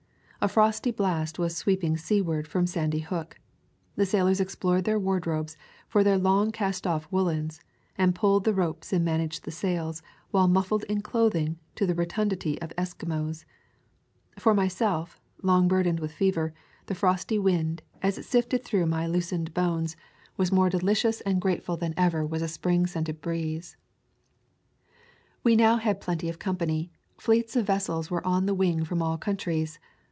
A frosty blast was sweeping seaward from Sandy Hook. The sailors explored their wardrobes for their long cast off woolens, and pulled the ropes and managed the sails while muffled in clothing to the rotundity of Eskimos. For myself, long burdened with fever, the frosty wind, as it sifted through my loosened bones, [ 184 ] To California was more delicious and grateful than ever was a spring scented breeze. We now had plenty of company; fleets of vessels were on the wing from all countries.